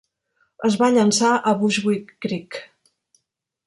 Es va llançar a Bushwick Creek.